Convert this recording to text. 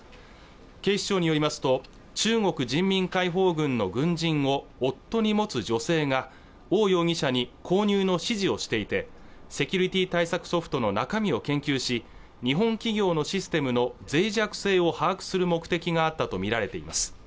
警視庁によりますと中国人民解放軍の軍人を夫に持つ女性が王容疑者に購入の指示をしていてセキュリティー対策ソフトの中身を研究し日本企業のシステムの脆弱性を把握する目的があったと見られています